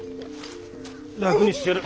楽にしてやる。